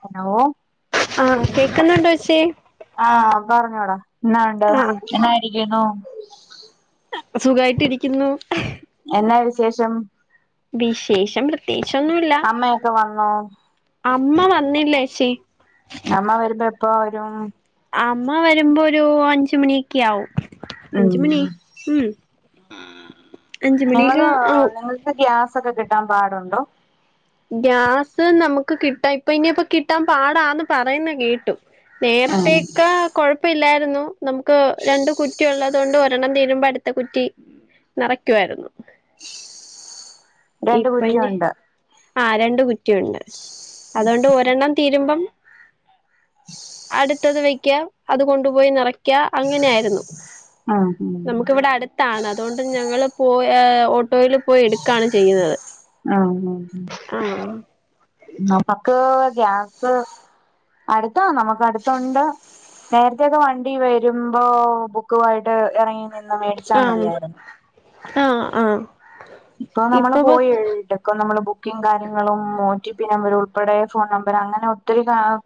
Hello? ആഹ് കേക്കുന്നുണ്ടോച്ചി? ആഹ് പറഞ്ഞോടാ എന്നാ ഉണ്ട് ആഹ് എന്നായിരിക്കുന്നു? സുഖായിട്ട് ഇരിക്കുന്നു. എന്ന വിശേഷം? വിശേഷം പ്രത്യേകിച്ച് ഒന്നുല്ല അമ്മയൊക്കെ വന്നോ അമ്മ വന്നില്ലേച്ചി. അമ്മ വരുമ്പോ എപ്പ വരും? അമ്മ വരുമ്പോ ഒരു അഞ്ചുമണിയൊക്കെ ആവും. ഉം അഞ്ചുമണി. ഉം അഞ്ചു മണിക്കെ ആവും. ഗ്യാസൊക്കെ കിട്ടാൻ പാടുണ്ടോ? ഗ്യാസ് നമുക്ക് കിട്ടാം ഇപ്പൊ ഇനിപ്പ കിട്ടാൻ പാടാന്ന് പറയുന്ന കേട്ടു. ആഹ് നേര്ത്തേക്ക കൊഴപ്പില്ലായിരുന്നു നമുക്ക് രണ്ട് കുറ്റിള്ളത് കൊണ്ട് ഒ രെണ്ണം തീരുമ്പോ അടുത്ത കുറ്റി നെറക്കുവായിരുന്നു. രണ്ട് കുറ്റി ഒണ്ട്. ആ രണ്ട് കുറ്റിയുണ്ട് അതുകൊണ്ട് ഒരെണ്ണം തീരുമ്പം. അടുത്തത് വെക്ക അത് കൊണ്ടുപോയി നെറക്ക അങ്ങനെയായിരുന്നു. ആഹ് ഉം നമുക്കിവിടെ അടുത്താണ് അതുകൊണ്ട് ഞങ്ങള് പോയി ഓട്ടോയിൽ പോയി എടുക്കുകയാണ് ചെയ്യുന്നത് ആഹ് ഹാ ആഹ് നമുക്ക് ഗ്യാസ് അടുത്താ നമുക്ക് അടുത്തണ്ട്. നേരത്തൊക്കെ വണ്ടി വരുമ്പോ ബുക്കുമായിട്ട് ഇറങ്ങി നിന്ന് മേടിച്ചാ ആഹ് മതിയായിരുന്നു ആഹ് ആഹ് ഇപ്പൊ നമ്മള് പോയി എഴുട്ടക്ക നമ്മള് ബുക്കിംഗ് കാര്യങ്ങളും ഒ ടി പി നമ്പർ ഉൾപ്പെടെ ഫോൺ നമ്പർ അങ്ങനെ ഒത്തിരി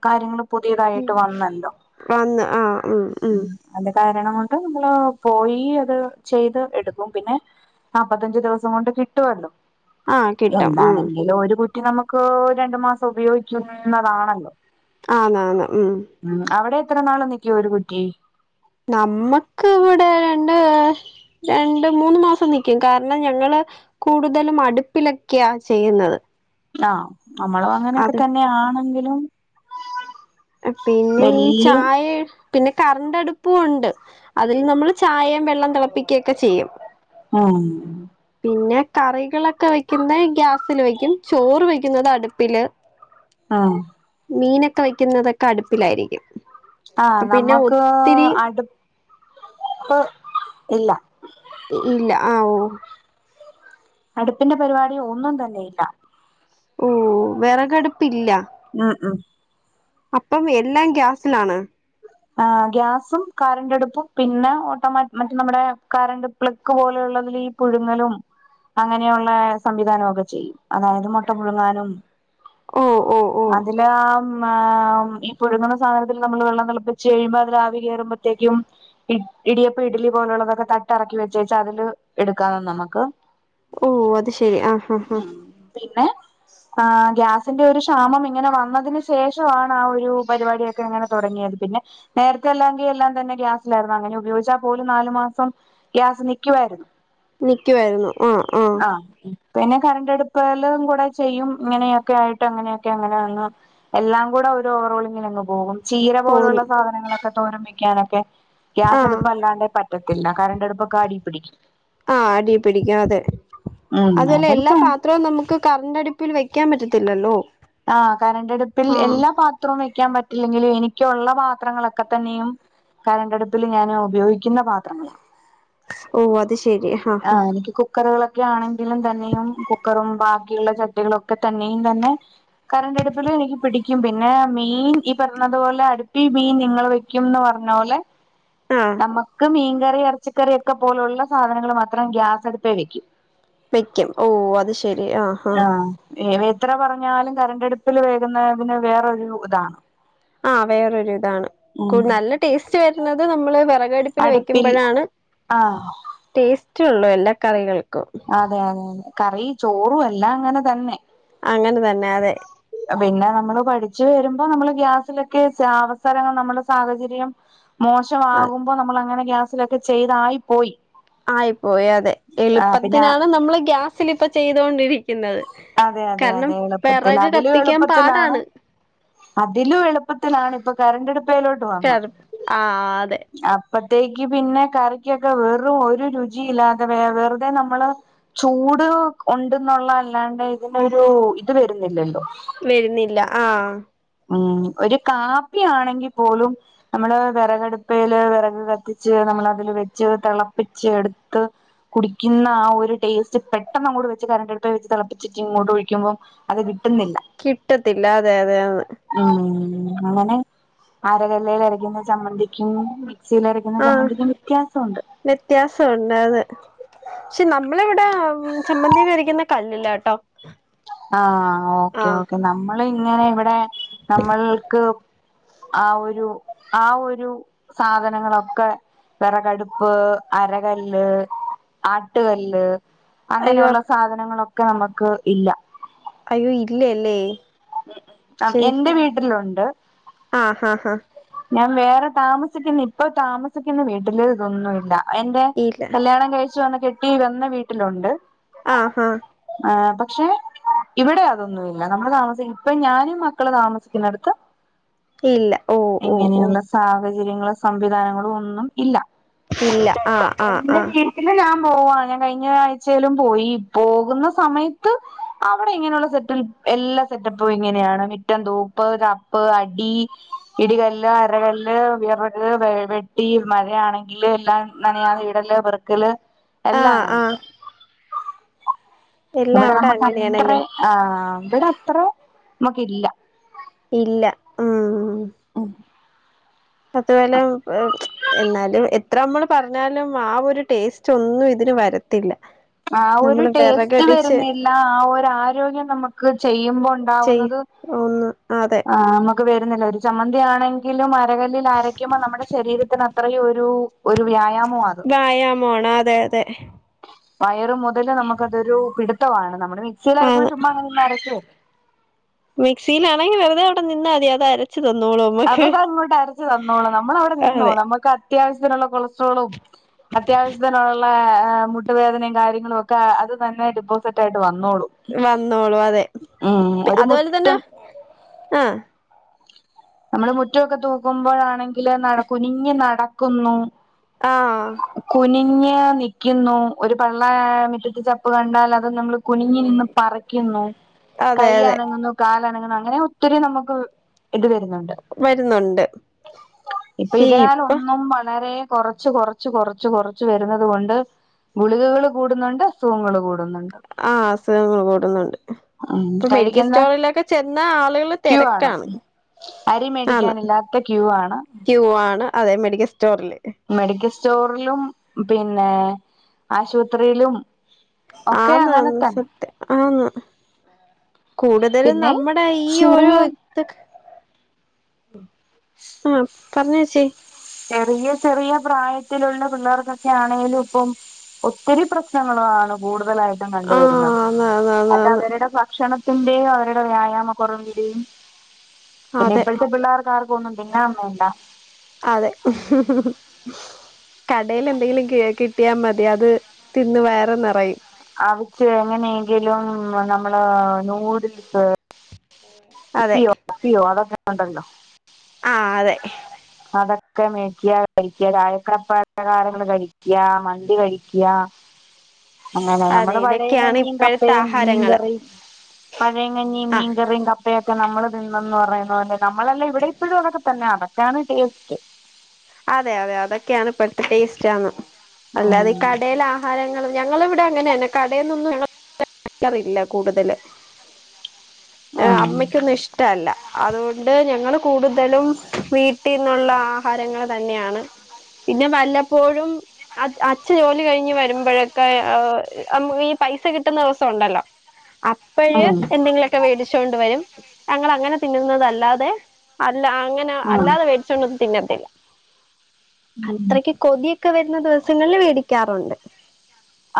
കാര്യങ്ങളും പുതിയതായിട്ട് വന്നല്ലോ വന്ന് ആഹ് ഉം ഉം അന്റെ കാരണം കൊണ്ട് നമ്മള് പോയി അത് ചെയ്ത് എടുക്കും പിന്നെ നാപ്പത്തഞ്ച് ദിവസം കൊണ്ട് കിട്ടുവല്ലോ ആഹ് കിട്ടും ഉം എന്താണെങ്കിലും ഒരു കുറ്റി നമുക്ക് രണ്ടു മാസം ഉപയോഗിക്കുന്നതാണല്ലോ ആണ് ആണ് ഉം ഉം അവിടെ എത്ര നാള് നിക്കും ഒരു കുറ്റി നമ്മക്ക് ഇവിടെ രണ്ട് രണ്ട് മൂന്ന് മാസം നിൽക്കും കാരണം ഞങ്ങള് കൂടുതലും അടുപ്പിലൊക്കെയ ചെയ്യുന്നത് ആ നമ്മളു അങ്ങനെയൊക്കെ അത് തന്നെയ ആണെങ്കിലും പിന്നെ ഈ വല്യ ചായ പിന്നെ കറൻ്റ് അടുപ്പും ഉണ്ട് അതിൽ നമ്മള് ചായയും വെള്ളം തിളപ്പിക്കുകൊക്കെ ചെയ്യും ആഹ് പിന്നെ കറികളൊക്കെ വെക്കുന്നത് ഗ്യാസില് വെക്കും ചോറ് വെക്കുന്നത് അടുപ്പില് ആ ആഹ് മീനൊക്കെ വെക്കുന്നതൊക്കെ അടുപ്പിലായിരിക്കും ആഹ അപ്പൊ പിന്നെ നമ്മുക്ക് ഒത്തിരി അടുപ്പ്... ഇല്ല ഇല്ല ആ ഓ അടുപ്പിന്റെ പരിപാടി ഒന്നും തന്നെയില്ല ഉം വേറകടുപ്പില്ല ഉം ഉം അപ്പം എല്ലാം ഗ്യാസിലാണ് ആ ഗ്യാസും കറൻ്റടുപ്പും പിന്നെ ഓട്ടോമാറ്റി മറ്റ നമ്മടെ കറണ്ട് പ്ളക്ക് പോലെയുള്ളതിൽ ഈ പുഴുങ്ങലും അങ്ങനെയുള്ള സംവിധാനമൊക്കെ ചെയ്യും അതായത് മുട്ട പുഴുങ്ങാനും ഉം ഉം ഉം അതില് ആ മ ഈ പുഴുങ്ങണ സാധനത്തിലു നമ്മള് വെള്ളം തിളപ്പിച്ച് കഴിയുമ്പോ അതില് ആവി കയറുമ്പത്തേക്കും ഇ ഇടിയപ്പം ഇഡലി പോലുള്ളതൊക്കെ തട്ട്റക്കി വെച്ചേച്ച് അതില് എടുക്കാ നമക്ക് ഓ അത് ശെരി ആഹ ആഹ ആഹ പിന്നെ ആ ഗ്യാസിന്റെ ഒരു ക്ഷാമം ഇങ്ങനെ വന്നതിന് ശേഷമാണ് ആ ഒരു പരിപാടിയൊക്കെങ്ങനെ തുടങ്ങിയത് പിന്നെ നേരത്തെ അല്ലാെങ്കിൽ എല്ലാം തന്നെ ഗ്യാസിലായിരുന്നു അങ്ങനെ ഉപയോഗിച്ചാൽ പോലും നാലു മാസം ഗ്യാസ് നിക്കുവാരുന്നു നിക്കുവായിരുന്നു. ആ, ആ പിന്നെ കറണ്ട്ടുപ്പെലും കൂടെ ചെയ്യും ഇങ്ങനെയൊക്കെ ആയിട്ട് അങ്ങനെയൊക്കെ അങ്ങനെ വന്ന്. എല്ലാം കൂടെ ഒരു ഓവറോളിങ്ങിലങ്ങ് പോകും ചീര. പോലുള്ള പോവുന്നു സാധനങ്ങളൊക്കെ തോരൻ വെക്കനൊക്കെ ആ ഗ്യാസ് അടുപ്പ് അല്ലാണ്ട് പറ്റ്. റ്റത്തില്ല കരണ്ടടുപ്പൊക്കേ അടി പിടിക്കും. ആഹ് അടി പിടിക്കും അതെ ഉം അതുല്ല എല്ലാ അതൊക്കെ പാ ത്രോം നമുക്ക് കറണ്ട് അടുപ്പിൽ വെക്കാൻ പറ്റത്തില്ലല്ലോ. ആഹ് കറണ്ടടുപ്പിൽ ആഹ് എല്ലാ പ ത്രോം വെക്കാൻ പറ്റില്ലെങ്കിലും എനിക്കുള്ള പാത്രങ്ങളൊക്കെ തന്നെയും. കറണ്ടടുപ്പില് ഞാന് ഉപയോഗിക്കുന്ന പാത്രങ്ങള. ഓ അത് ശെരി. ആ ആഹ് എനിക്ക് കുക്കറുകളൊക്കെ ആണെങ്കിലും തന്നെയും കുക്കറും ബാക്കിയുള്ള ച ട്ടികളൊക്കെ തന്നെയും തന്നെ. കറണ്ടടുപ്പില് മീൻ പിടിക്കും. പിന്നെ മീൻ ഈ പറഞ്ഞതുപോലെ അടുപ്പി മീൻ നിങ്ങള് വെ ക്കുന്ന് പറഞ്ഞ പോലെ ആഹ് നമ്മക്ക് മീൻകറി, എറച്ചിക്കറി ഒക്കെ പോലുള്ള സാധനങ്ങൾ മാത് ത്രം ഗ്യാസടുപ്പേ വെക്കും. വയ്ക്കും ഓ അത് ശെരി ആ ഹാ. ആഹ് എത്ര പറഞ്ഞാലും കറണ്ടടുപ്പില് വേകുന്നതിന് വേറൊരൂ ഇതാ. ആ വേറൊരു ഇതാണ്. ഉം നല്ല ടേസ്റ്റ് വരുന്നത് നമ്മള് വെറകടു പ്പില് അടുപ്പിൽ വെക്കുമ്പോഴാണ് ആഹ് ടേസ്റ്റ്ള്ളൂ എല്ലാ കറികൾക്കും. അതെ അതെതെ കറി ചോറും എല്ലാം അങ്ങനെ തന്നെ. അങ്ങനെ തന്നെ അതെ. പിന്നെ നമ്മള് പഠിച്ചു വരുമ്പോ നമ്മള് ഗ്യാസിലൊക്കെ ജ അവസരങ്ങൾ നമ്മടെ സാഹചര്യം. ആഹ് മോശമാകുമ്പോ നമ്മൾ അങ്ങനെ ഗ്യാസിലൊക്കെ ചെയ്തായി പോയി. ആയിപ്പോയി അതെ ആ പിന്നെ എളുപ്പത്തിനാണ് നമ്മള് ഗ്യാസിലിപ്പ ചെയ്തൊണ്ടിരിക്കുന്നത്. അതെ, അതെ, അതെ എളുപ്പത്തില് അതില് കത്തിക്കാൻ എളുപ്പത്തിലാണ്. പാടാണ് അതിലും എളുപ്പത്തിലാണ് ഇപ്പൊ കറണ്ടടുപ്പെലോട്ട് വന്നത്. ആഹ് അതെ അ അപ്പത്തേക്ക് പിന്നെ കറിക്കൊക്കെ വെറും ഒരു രുചിയില്ലാതെ വേ വെറുതെ നമ്മള്. ചൂട് ഒണ്ടെന്നുള്ളല്ലാണ്ട് ഇതിനൊരു ഇത് വരുന്നില്ലല്ലോ. വരുന്നില്ല ആ. ഉം ഒരു കാപ്പിയാണെങ്കി പോലും. നമ്മള് വെറകടുപ്പേല് വെറക് കത്തിച്ച് നമ്മള് അതില് വെച്ച് തെളപ്പിച്ച് എടുത്ത്. കുടിക്കുന്ന ആ ഒരു ടേസ്റ്റ് പെട്ടെന്ന് അങ്ങോട്ട് വെച്ച് കരണ്ട് അടുപ്പേ വെച്ച് തെള പ്പിച്ചിട്ട് ഇങ്ങോട്ട് ഒഴിക്കുമ്പം അത് കിട്ടുന്നില്ല. കിട്ടത്തില്ല അതെ അതെയന്ന്. ഉം അങ്ങനെ അരകല്ലേലരക്കുന്ന ചമ്മന്തിക്കും. മിക്സിൽ അരക്കുന്ന ചമ്മന്തിക്കും വ്യത്യാസൊണ്ട്. വ്യത്യാസം ഒണ്ട് അതെ. പക്ഷെ നമ്മളിവിടെ ചമ്മന്തിക്കെ അരക്കുന്ന കല്ലിലാട്ടോ. ആ, ആ ഓക്കെ, ആഹ് ഓക്കെ നമ്മള് ഇങ്ങനെ ഇവിടെ നമ്മൾക്ക്. ആ ഒരു, ആ ഒരു സാധനങ്ങളൊക്കെ. വെറകടുപ്പ്, അരകല്ല്, ആട്ടുകല്ല്. അയ്യോ അങ്ങനെയുള്ള സാധനങ്ങളൊക്കെ നമുക്ക് ഇല്ല. അയ്യോ ഇല്ലേ അല്ലേ. എന്റെ വീട്ടിലുണ്ട്. ആഹ് ആഹ് ആഹ് ഞാൻ വേറെ താമസിക്കുന്ന ഇപ്പൊ താമസിക്കുന്ന വീട്ടില് ഇതൊന്നുവില്ല എൻ്റെ ഇല്ല കല്യാണം കഴിച്ചു വന്ന കെട്ടി വന്ന വീട്ടിലുണ്ട് ആഹ് ആഹ് ആഹ് പക്ഷെ ഇവിടെ അതൊന്നുവില്ല നമ്മള് താമസിക്കുന്ന ഇപ്പം ഞാനും മക്കളും താമസിക്കുന്നെടത്ത് ഇല്ല ഓ ഓ ഇങ്ങനെയൊ ഓ ള്ള സാഹചര്യങ്ങളും സംവിധാനങ്ങളും ഒന്നും ഇല്ല ഇല്ല ആഹ് ആഹ് എന്റെ ആഹ് വീട്ടി പിന്നെ ഞാൻ പോവാ ഞാൻ കഴിഞ്ഞ ആഴ്ചയിലും പോയി ഈ പോകുന്ന സമയത്ത് അവിടെ ഇങ്ങനെയുള്ള സെറ്റിൽ എല്ലാ സെറ്റപ്പും ഇങ്ങനെയാണ് മിറ്റം തൂപ്പ് തപ്പ് അടി ഇടികല്ല്, അരകല്ല്, വിറക്, വെട്ടി, മഴയാണെങ്കില് എല്ലാം നനയാതെ ഇടല് പെറുക്കല് എല്ലാം ആഹ് അങ്ങനെ ആഹ് എല്ലാം ഇവിടെ അവിടെ അങ്ങനെയാണല്ലേ നമുക്കത്രെ ആഹ് ഇവിടെ അത്ര നമുക്ക് ഇല്ല ഇല്ല ഉം ഉം അതുപോലെ എന്നാലും എത്രമ്മള് പറഞ്ഞാലും ആ ഒരു ടേസ്റ്റ് ഒന്നും ഇതിന് വരത്തില്ല ആഹ് ഒരു നമ്മള് ടേസ്റ്റ് വിറകടിച്ച് വരുന്നില്ല ആ ഒരു ആരോഗ്യം നമുക്ക് ചെയ്യുമ്പം ഒ ചെയ് ണ്ടാവുന്നതും ഒന്ന് അതെ ആഹ് നമുക്ക് വരുന്നില്ല ഒരു ചമ്മന്തിയാണെങ്കിലും അര കല്ലിൽ അരയ്ക്കുമ്പോ നമ്മുടെ ശരീരത്തിന് അത്രയും ഒരു ഒരു വ്യായാമമാണ് വ്യായാമംമാണ് അതെ അതെ വയറ് മുതല് നമുക്ക് അതൊരു പിടുത്തമാണ് നമ്മുടെ മിക്സിയില് ആന്ന് അരക്കുമ്പോൾ ചുമ്മാ നിന്ന്ങ്ങ് അരച്ച് പോകും മിക്സിയിലാണെങ്കി വെറുതെ അവിടെ നിന്ന മതി അത് അര ച്ച് തന്നോളും ന നമക്കങ്ങോട്ട് അരച്ചു തന്നോളും നമ്മള് അവിടെ അതെ നിന്നോണം നമുക്ക് അത്യാവശ്യത്തിനുള്ള കൊളസ്ട്രോളും അത്യാവിശ്യത്തിനുള്ള ഏം മുട്ട് വേദനയും കാര്യങ്ങളും ഒക്കെ അത് തന്നെ ഡിപ്പോസിറ്റ് ആയിട്ട് വന്നോളും വന്നോളും അതെ ഉം ഒരു അതുപോലെ തന്നെ മുറ്റം ആഹ് നമ്മള് മുറ്റൊവൊക്കെ തൂക്കുമ്പഴാണെങ്കിലും നട കുനിഞ്ഞു നടക്കുന്നു ആഹ് കുനിഞ്ഞ് നിക്കുന്നു ഒരു പള്ള മിറ്റത്ത് ചപ്പ് കണ്ടാൽ അത് നമ്മള് കുനിഞ്ഞ് നിന്ന് പറിക്കുന്നു അതെ കൈ അതെ അനങ്ങുന്നു കാല് അനങ്ങ്ന്ന് അങ്ങനെ ഒത്തിരി നമുക്ക് ഇത് വരു ന്നുണ്ട് വരുന്നുണ്ട് ഇപ്പൊ പക്ഷേ ഇപ്പൊ ഇതിനാലൊന്നും വളരെ കൊറച്ച് കൊറച്ച് കൊറച്ച് കൊറച്ച് വരുന്നത് കൊണ്ട് ഗുളികകള് കൂടുന്നുണ്ട് അസുഖങ്ങള് കൂടുന്നുണ്ട് ആഹ് അസുഖങ്ങൾ കൂടുന്നുണ്ട് ഉം ഇപ്പൊ മെഡിക്കൽ കഴിക്കുന്ന സ്റ്റോറിലൊക്കെ ചെന്ന ആളുകള് ക്യൂ ആണ് തെരക്കാണ് അരി മേടിക്കാനില്ലാത്ത ക്യൂ ആണ് ക്യു വാണ് അതെ മെഡിക്ക സ്റ്റോറില് മെഡിക്കൽ സ്റ്റോറിലും, പിന്നെ ആശുപത്രിയിലും ഒക്കെ ആന്ന് അങ്ങനെ ആന്ന് തന്നെ സത്യം ആന്ന് കൂടുതലും പിന്നെ നമ്മുടെ ഈ ഓരോ ചെറിയ ഇത് ആഹ് പറഞ്ഞോച്ചി ചെറിയ ചെറിയ പ്രായത്തിലുള്ള പിള്ളേർക്കൊക്കെ ആണെങ്കിലുപ്പം ഒത്തിരി പ്രശ്നങ്ങളാണ് കൂടുതലായിട്ടും ആഹ് കണ്ടുവരുന്നത് ആന്ന് ആന്ന് ആന്ന് അത് ആന്ന് അവരുടെ ഭക്ഷണ ത്തിന്റെയും അവരുടെ വ്യായാമ കുറവിന്റെയും പിന്നെ അതെ ഇപ്പോഴത്തെ പിള്ളേർ ള്ളാർകൊന്നും തിന്നാൻ വേണ്ട അതെ കടേലെന്തെങ്കിലും കേക്ക് കിട്ടിയാമതി അത് തിന്ന് വയർ നിറയും അവച്ച് എങ്ങനെയെങ്കിലും നമ്മള് നൂഡിൽസ് അതെ വിപ്പിയൊ [unintelligible] അതൊക്കണ്ടല്ലോ ആഹ് അതെ അതൊക്കെ മേടിക്ക കഴിക്ക മധുര പലഹാരങ്ങൾ കഴിക്ക മന്തി കഴിക്ക [unintelligible] അങ്ങനെ അതെ നമ്മുടെ വടയും ഇതൊക്കെയാണ് കഞ്ഞിയും ഇപ്പോഴത്തെ കപ്പയും ആഹാരങ്ങള് മീൻകറിയും പഴംകഞ്ഞി ആഹ് മീൻകറി കപ്പ ഇവയൊക്കെ നമ്മള് തിന്നന്ന് പറയുന്നത് പോലെ നമ്മളല്ല ഇവിടെ ഇപ്പോഴും അങ്ങനൊക്കെ തന്നെ ആണ് ടേസ്റ്റ് അതെ അതെ അതൊക്കെയാണ് ഇപ്പഴത്തെ ടേസ്റ്റ് ആന്ന് ഉം അല്ലാതെ ഈ കടയിലാ ആഹാരങ്ങളും ഞങ്ങളവിടെ അങ്ങനെന്നെ കടയിൽ നിന്നും ഒന്നും വാങ്ങിക്കാറില്ല കൂടുതല് ഉം അമ്മക്കൊന്നും ഇഷ്ടല്ല അതുകൊണ്ട് ഞങ്ങള് കൂടുതലും വീട്ടിന്നുള്ള ആഹാരങ്ങൾ തന്നെയാണ് പിന്നെ വല്ലപ്പോഴും അ അച്ഛൻ ജോലി കഴിഞ്ഞ് വരുമ്പോഴക്കെ ഈ പൈസ കിട്ടുന്ന ദിവസം- ഉണ്ടല്ലോ അപ്പഴ് ഉം എന്തെങ്കിലും ഒക്കെ മേടിച്ചൊണ്ട് വരും ഞങ്ങൾ അങ്ങനെ തിന്നുന്നതല്ലാതെ അല്ല അങ്ങനെ ഉം അല്ലാതെ മേടി ച്ചോണ്ട് ഒന്നും തിന്നത്തില്ല അത്രയ്ക്ക് കൊതിയൊക്കെ വരുന്ന ദിവസങ്ങളിൽ മേടിക്കാറുണ്ട്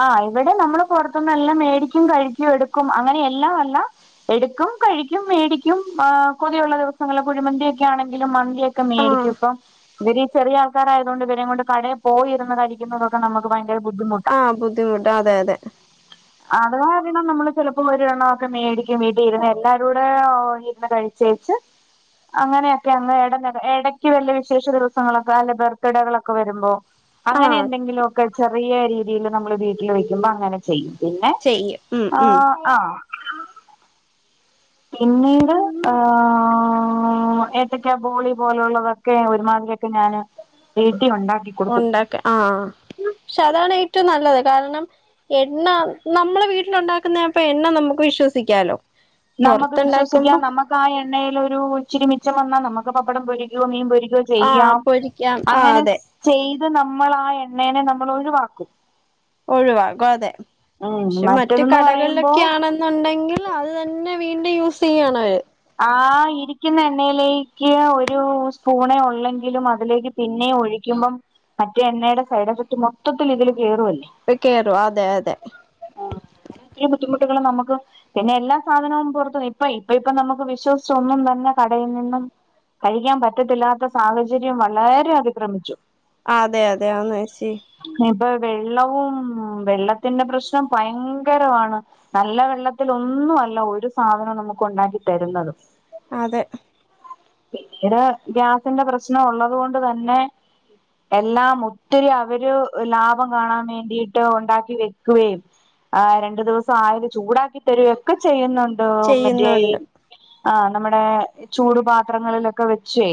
ആഹ് ഇവിടെ നമ്മള് പുറത്തുന്ന് എല്ലാം മേടിക്കും കഴിക്കും എടുക്കും അങ്ങനെ എല്ലാം അല്ല എടുക്കും കഴിക്കും മേടിക്കും കൊതിയുള്ള ദിവസങ്ങളെ കുഴിമന്തിയൊക്കെ ആണെങ്കിലും മ ന്തി ഒക്കെ ആ മേടിക്കും ഇപ്പം ഇവർ ചെറിയ ആൾക്കാരായത് കൊണ്ട് ഇവരെ കൊണ്ട് കടേ പോയിരുന്ന് കഴിക്കുന്നതൊക്കെ നമുക്ക് ഭയങ്കര ബുദ്ധിമുട്ടു- ആഹ് ബുദ്ധിമുട്ട് അതെ അതെ അതവാ പിന്നെ നമ്മള് ചെിലപ്പോ ഒരേണ്ണംമൊക്കെ മേടിക്കും വീട്ടിലിരുന്ന് എല്ലാരും കൂടെ ഇരുന്ന് കഴിക്ക് ചേച്ചി അങ്ങനെയൊക്കെ അങ്ങ് ഇട ഇടയ്ക്ക് വല്ല വിശേഷ ദിവസങ്ങളൊക്കെ അല്ലെ ബർത്ത്ഡേകളൊക്കെ വരുമ്പോ ആ അങ്ങനെ എന്തെങ്കിലുമൊക്കെ ചെറിയ രീതിയിൽ നമ്മള് വീട്ടിൽ വെക്കുമ്പോ അങ്ങനെ ചെയ്യും പിന്നെ ചെയ്യും ഉം ഉം ആഹ് ആഹ് പിന്നീട് ആഹ് ഏത്തക്ക ബോളി പോലുള്ളതൊ- ക്കെ ഒരുമാതിരിയൊക്കെ ഞാൻ വീട്ടില് ഉണ്ടാക്കി കൊടുക്കും ഉണ്ടാക്കെ ആഹ് പക്ഷെ അതാണ് ഏറ്റവും നല്ലത് കാരണം എണ്ണ നമ്മളെ വീട്ടിലുണ്ടാക്കുന്നപ്പൊ എണ്ണ നമുക്ക് വിശ്വസിക്കാലോ നമുക്ക് പൊറത്തുണ്ടാക്കുമ്പോ വിശ്വസിക്കാം നമുക്ക് ആ എണ്ണയിലൊരു ഇച്ചിരിമിച്ചം വന്നാൽ നമുക്ക് പപ്പടം പൊരുക്കയോ മീൻ പൊരികോ ആഹ് ചെയ്യാം പൊരിക്കാം ആഹ് അങ്ങനെ അതെ ചെയ്ത് നമ്മള് ആ എണ്ണേനെ നമ്മള് ഒഴിവാക്കും ഒഴിവാകും അതെ ഉം പക്ഷെ മറ്റ് മറ്റതെന്ന് പറയുമ്പോ കടകളിലൊക്കെയാണെ ണ്ടെങ്കിൽ അത് തന്നെ വീണ്ടും യൂസ് ചെയ്യാണവര് ആഹ് ഇരിക്കുന്ന എണ്ണയിലേക്ക് ഒരു സ്പൂണേ ഉള്ളെങ്കിലും അതിലേക്ക് പിന്നെയും ഒഴിക്കുമ്പം മറ്റേ എണ്ണയുടെ സൈഡ് എഫക്റ്റ് മൊത്തത്തിൽ ഇതില് കേയറുവല്ലേ കേറും അതെ അതെ ആഹ് അങ്ങെനെ ഒത്തിരി ബുദ്ധിമുട്ടുകള് നമ്ക്ക് പിന്നെ എല്ലാ സാധനവും പുറത്ത് ഇപ്പ ഇപ്പ ഇപ്പം നമക്ക് വിശ്വസിച്ചാെന്നും തന്നെ കടയിൽ നിന്നും കഴിക്യാം പറ്റത്തില്ലാത്ത സാഹചര്യം വളേരെ അതിക്രമിച്ചു അതെ അതെ ആന്നേച്ചി നിപ്പൊ വെള്ളവും വെള്ളത്തിന്റെ പ്രശ്നം ഭയ്ങ്കരവാണ് നല്ല വെള്ളത്തിലൊന്നും അല്ല ഒരു സാധനം നമുക്ക് ഉണ്ടാക്കി തര്ന്നത് ആതെ കിച്ചെന് ഗ്യാസിന്റെ പ്രശ്നം ഒള്ളത് കൊണ്ട് തന്നെ എല്ലാം ഒത്തിരി അവര് ലാഭം കാണാം വേണ്ടിയിട്ട് ഉണ്ടാക്കി വെക്കുകെയും ആഹ് രണ്ടു ദിവസം ആയാല് ചൂടാക്കി തര്കെയൊക്കെ ചെയ്യ്ന്നുണ്ട് മെറ്റേ ഈ ചെയ്യുന്നുണ്ട് ആഹ് നമ്മ്ടെ ചൂട് പാത്രങ്ങളിലൊക്കെ വെച്ചേ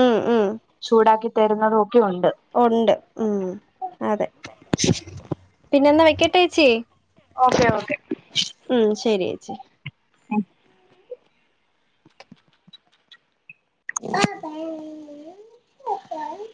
ഉം ഉം ചൂടാക്കി തര്ന്നെതും ഒക്കെ ഉണ്ട് ഒണ്ട് ഉം അതെ പിന്നെന്നാ വെക്കെട്ടേച്ചീ ഓക്കെ ഓക്കെ ഉം ശര്യേച്ചി ഉ ആഹ് ത